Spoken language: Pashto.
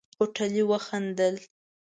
هوټلي وخندل.